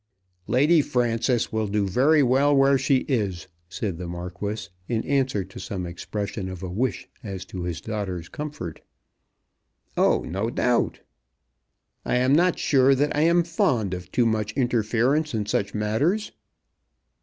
"Lady Frances will do very well where she is," said the Marquis, in answer to some expression of a wish as to his daughter's comfort. "Oh, no doubt!" "I am not sure that I am fond of too much interference in such matters."